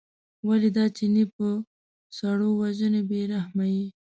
ولې دا چینی په سړو وژنې بې رحمه یې.